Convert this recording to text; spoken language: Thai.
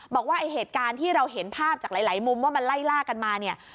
บอกว่าไอ้เหตุการณ์ที่เราเห็นภาพจากหลายมุมว่ามันไล่ล่ากันมาเนี่ย